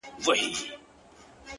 اوس ولي نه وايي چي ښار نه پرېږدو،